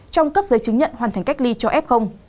trong cấp giấy chứng nhận hoàn thành cách ly cho f